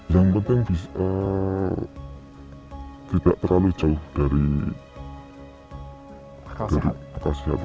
yang penting bisa tidak terlalu jauh dari akal sehat